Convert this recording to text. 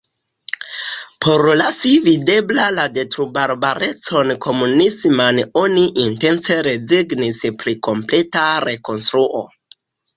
Por lasi videbla la detrubarbarecon komunisman oni intence rezignis pri kompleta rekonstruo.